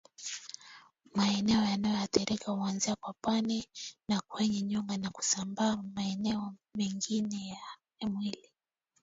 Maeneo yanayoathirika huanzia kwapani na kwenye nyonga na kusambaa maeneo mengine ya mwili